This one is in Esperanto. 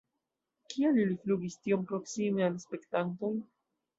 Kial ili flugis tiom proksime al spektantoj?